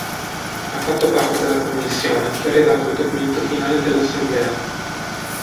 Ha fatto parte della commissione che ha redatto il documento finale dell'assemblea.